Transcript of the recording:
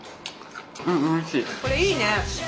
これいいね！